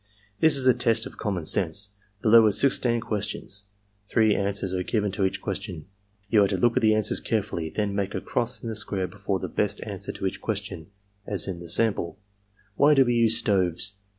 "'This is a test of common sense. Below are sixteen ques tions. Three answers are given to each question. You are to look at the answers carefully; then make a cross in the square before the best answer to each question, as in the sample: "' Why do we use stoves?